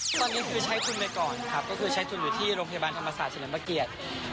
ตอนนี้คือใช้ทุนไปก่อนครับก็คือใช้ทุนอยู่ที่โรงพยาบาลธรรมศาสตร์เฉลิมพระเกียรติ